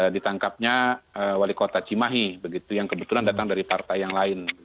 ditangkapnya wali kota cimahi begitu yang kebetulan datang dari partai yang lain